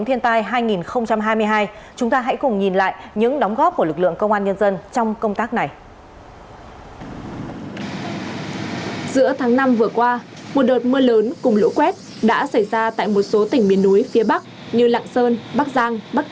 thiền tài ngày càng khắc nghiệt cùng với đó trong mỗi trận mưa bão sạt lở